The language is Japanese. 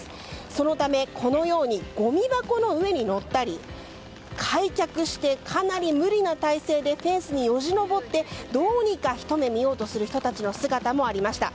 そのためこのようにごみ箱の上に乗ったり開脚して、かなり無理な体勢でフェンスによじ登ってどうにかひと目見ようとする人たちの姿もありました。